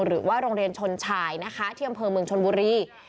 หรือว่าโรงเรียนชนชายนะคะที่อำเภอเมืองชนบุรี